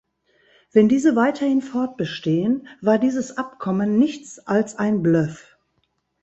Wenn diese weiterhin fortbestehen, war dieses Abkommen nichts als ein Bluff.